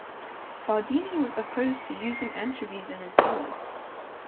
Cardini was opposed to using anchovies in his salad.